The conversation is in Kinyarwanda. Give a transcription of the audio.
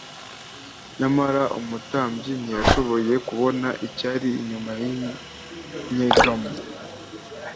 Nyamara umutambyi ntiyashoboye kubona icyari inyuma y'inyegamo.